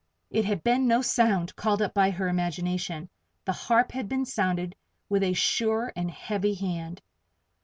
It had been no sound called up by her imagination; the harp had been sounded with a sure and heavy hand.